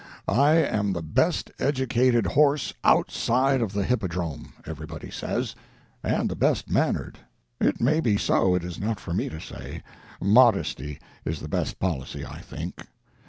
I am the best educated horse outside of the hippodrome, everybody says, and the best mannered. It may be so, it is not for me to say; modesty is the best policy, I think.